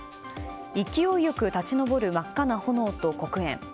勢いよく立ち上る真っ赤な炎と黒煙。